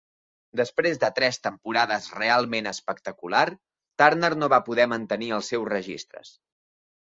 Després de tres temporades realment espectaculars, Turner no va poder mantenir els seus registres.